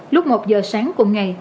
lúc một h sáng cùng ngày